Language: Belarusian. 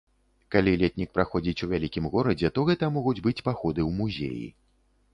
Калі летнік праходзіць у вялікім горадзе, то гэта могуць быць паходы ў музеі.